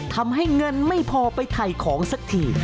ทำให้เงินไม่พอไปถ่ายของสักที